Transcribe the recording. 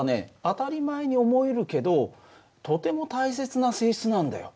当たり前に思えるけどとても大切な性質なんだよ。